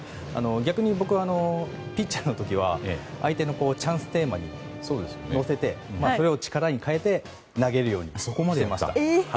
逆に僕はピッチャーの時は相手のチャンステーマに乗せてそれを力に変えて投げるようにしてました。